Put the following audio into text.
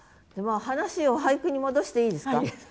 話を俳句に戻していいですか？